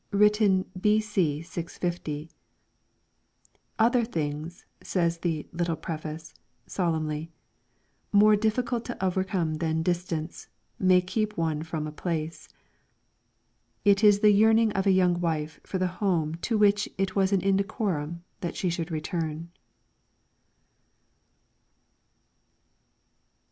LYRICS FROM THE CHINESE VIII Written b.c. 650. ' Other things,' says the ' Little Preface ' solemnly, ' more difficult to overcome than Distance, may keep one from a Place.' It is the yearning of a young wife for the home to which it was an indecorum that she should return.